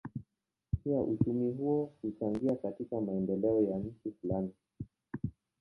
Pia uchumi huo huchangia katika maendeleo ya nchi fulani.